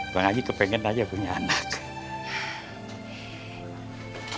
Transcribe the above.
bang haji kepengen aja punya anak